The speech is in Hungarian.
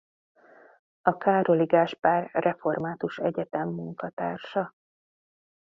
A Károli Gáspár Református Egyetem munkatársa.